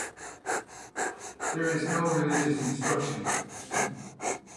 There is no religious instruction.